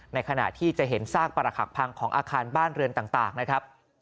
ในขณะที่จะเห็นซากปรักหักพังของอาคารบ้านเรือนต่างนะครับ